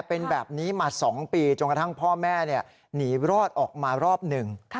เป็นแบบนี้มา๒ปีจนกระทั่งพ่อแม่หนีรอดออกมารอบหนึ่ง